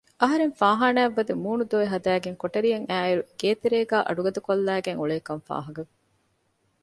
އަހަރެން ފާހާނާއަށްވަދެ މޫނު ދޮވެ ހަދައިގެން ކޮޓަރިއަށް އައިއިރު ގޭތެރޭގައި އަޑުގަދަކޮށްލައިގެން އުޅޭކަން ފާހަގަވި